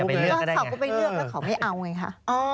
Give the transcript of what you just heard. เขาก็ไปเลือกแล้วเขาไม่เอาไงคะ